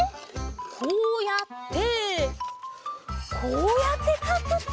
こうやってこうやってかくと。